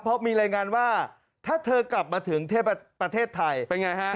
เพราะมีรายงานว่าถ้าเธอกลับมาถึงประเทศไทยเป็นไงฮะ